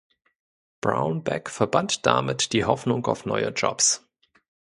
Brownback verband damit die Hoffnung auf neue Jobs.